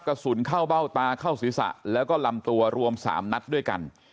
กระสุนเข้าเบ้าตาเข้าศีรษะแล้วก็ลำตัวรวม๓นัดด้วยกัน